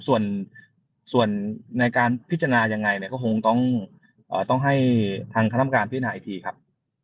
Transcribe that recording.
ส่วนในการพิจารณายังไงเนี่ยก็คงต้องให้ทางคณะกรรมการพินาอีกทีครับ